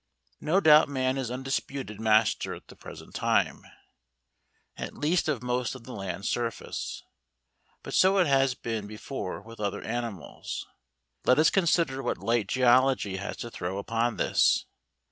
No doubt man is undisputed master at the present time at least of most of the land surface; but so it has been before with other animals. Let us consider what light geology has to throw upon this.